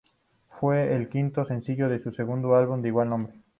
Fue el quinto sencillo de su segundo álbum "de igual nombre".